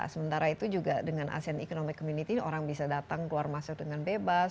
sementara itu juga dengan asean economic community orang bisa datang keluar masuk dengan bebas